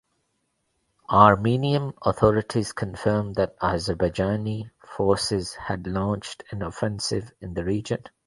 Armenian authorities confirmed that Azerbaijani forces had launched an offensive in the region.